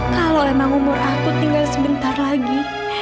kalau emang umur aku tinggal sebentar lagi